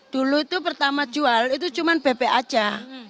dulu itu pertama jual itu cuma bebek aja